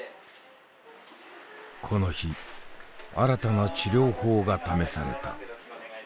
この日新たな治療法が試された。